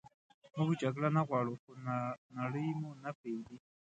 موږ جګړه نه غواړو خو نړئ مو نه پریږدي